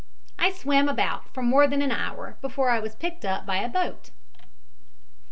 I swam about for more than one hour before I was picked up by a boat."